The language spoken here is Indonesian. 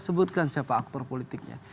sebutkan siapa aktor politiknya